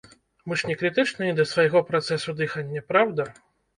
Мы ж не крытычныя да свайго працэсу дыхання, праўда?